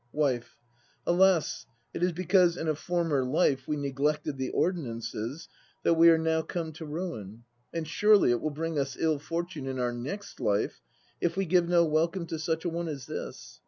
WIFE. Alas, it is because in a former life we neglected the ordinances a that we are now come to ruin. And surely it will bring us ill fortune in our next life, if we give no welcome to such a one as this!